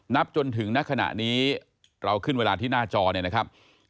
จนถึงณขณะนี้เราขึ้นเวลาที่หน้าจอเนี่ยนะครับ